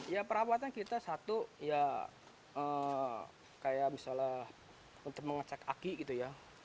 ya perawatan kita satu ya kayak misalnya untuk mengecek aki gitu ya